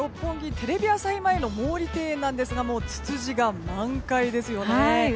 テレビ朝日前の毛利庭園なんですけどツツジが満開ですよね。